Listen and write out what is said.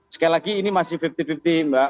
sekali lagi ini masih lima puluh lima puluh mbak